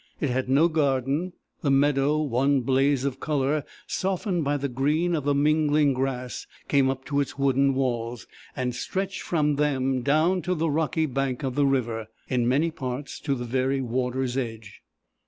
It had no garden. The meadow, one blaze of colour, softened by the green of the mingling grass, came up to its wooden walls, and stretched from them down to the rocky bank of the river, in many parts to the very water's edge.